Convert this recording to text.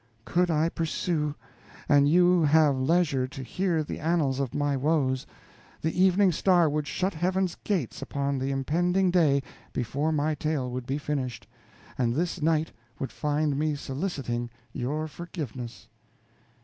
could I pursue, and you have leisure to hear the annals of my woes, the evening star would shut Heaven's gates upon the impending day before my tale would be finished, and this night would find me soliciting your forgiveness."